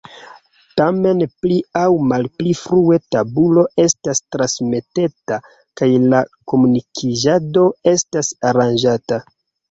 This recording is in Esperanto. Tamen pli aŭ malpli frue tabulo estas transmetata kaj la komunikiĝado estas aranĝata.